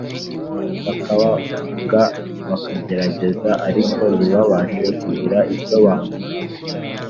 bakababwa, bakagerageza ariko ntibabashe kugira icyo bankoraho